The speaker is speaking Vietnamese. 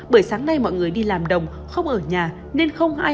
bởi sáng nay mọi người đi làm đồng không ở nhà nên không hóa án